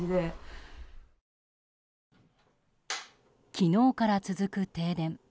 昨日から続く停電。